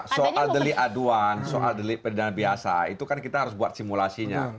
soal delik aduan soal delik pidana biasa itu kan kita harus buat simulasinya